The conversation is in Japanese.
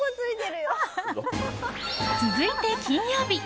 続いて金曜日。